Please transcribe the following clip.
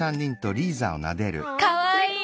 かわいい！